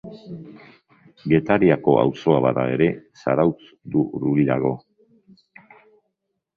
Getariako auzoa bada ere, Zarautz du hurbilago.